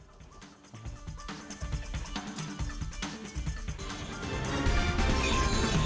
sebelumnya kalau kata b roast kita masih belum hampir menghafal kontrak